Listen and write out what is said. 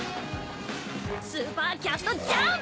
スーパー・キャット・ジャンプ！